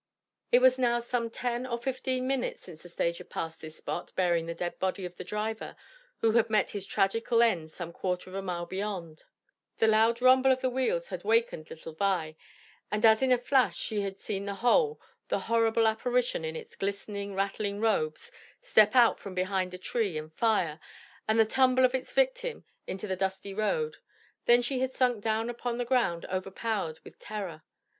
It was now some ten or fifteen minutes since the stage had passed this spot bearing the dead body of the driver who had met his tragical end some quarter of a mile beyond. The loud rumble of the wheels had waked little Vi, and as in a flash she had seen the whole the horrible apparition in its glistening, rattling robes, step out from behind a tree and fire, and the tumble of its victim into the dusty road. Then she had sunk down upon the ground overpowered with terror.